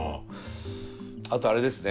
あとあれですね